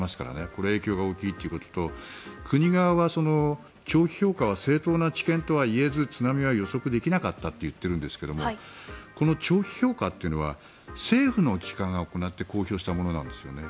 これ、影響が大きいということと国側は長期評価は正当な知見とは言えず津波は予測できなかったと言っているんですけどもこの長期評価っていうのは政府の機関が行って公表したものなんですよね。